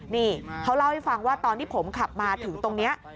นี่เขาเล่าให้ฟังว่าตอนที่ผมขับมาถึงตรงนี้